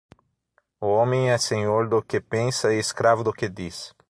O homem é senhor do que pensa e escravo do que diz